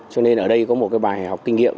cho nên ở đây có một cái bài học kinh nghiệm